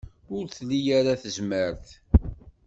Ur tli ara tazmert.